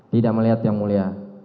tidak melihat yang mulia